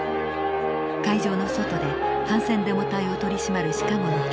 会場の外で反戦デモ隊を取り締まるシカゴの警官隊です。